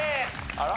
あら？